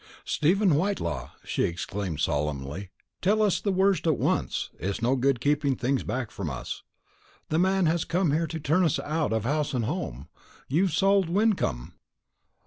"Stephen Whitelaw," she exclaimed solemnly, "tell us the worst at once. It's no good keeping things back from us. That man has come here to turn us out of house and home. You've sold Wyncomb."